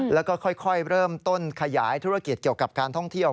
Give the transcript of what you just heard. แล้วก็ค่อยเริ่มต้นขยายธุรกิจเกี่ยวกับการท่องเที่ยว